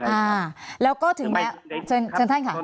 อ่าแล้วก็ถึงแม้